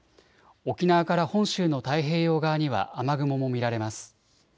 沖縄から本州の太平洋側には雨雲も見られます。